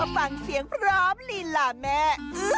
ฟังเสียงพร้อมลิ่นล่ะแม่